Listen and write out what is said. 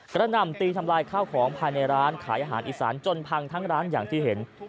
หน่ำตีทำลายข้าวของภายในร้านขายอาหารอีสานจนพังทั้งร้านอย่างที่เห็น